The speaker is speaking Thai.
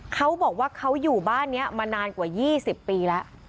เขาบอกว่าเขาอยู่บ้านนี้มานานกว่า๒๐ปีแล้ว